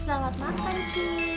selamat makan kimi